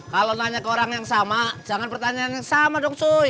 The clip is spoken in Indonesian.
kalau nanya ke orang yang sama jangan pertanyaan yang sama dong sui